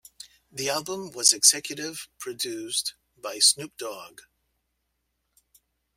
The album was executive produced by Snoop Dogg.